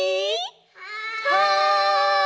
はい！